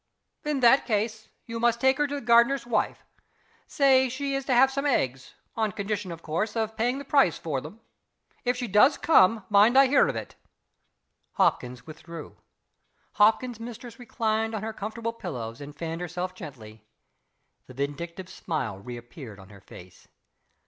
"In that case, you must take her to the gardener's wife. Say she is to have some eggs on condition, of course, of paying the price for them. If she does come, mind I hear of it." Hopkins withdrew. Hopkins's mistress reclined on her comfortable pillows and fanned herself gently. The vindictive smile reappeared on her face.